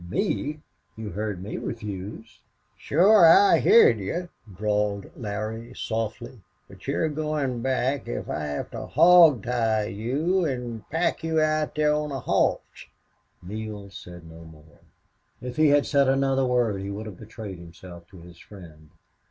"Me!... You heard me refuse." "Shore I heerd you," drawled Larry, softly, "but you're goin' back if I have to hawg tie you an' pack you out there on a hoss." Neale said no more. If he had said another word he would have betrayed himself to his friend.